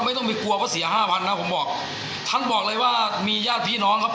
ไม่ต้องไปกลัวเพราะเสียห้าวันนะผมบอกท่านบอกเลยว่ามีญาติพี่น้องครับ